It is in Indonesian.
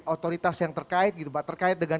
otoritas yang terkait gitu pak terkait dengan